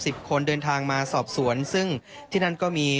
คนเดินทางมาสอบสวนซึ่งที่นั่นก็มี